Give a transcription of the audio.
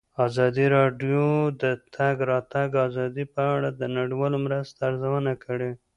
ازادي راډیو د د تګ راتګ ازادي په اړه د نړیوالو مرستو ارزونه کړې.